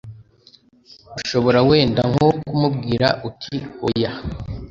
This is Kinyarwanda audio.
ushobora wenda nko kumubwira uti oya